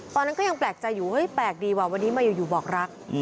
ตอนนั้นก็ยังแปลกใจอยู่เฮ้ยแปลกดีว่ะวันนี้มาอยู่บอกรัก